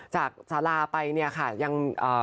จากสาราไปเนี่ยค่ะยังเอ่อ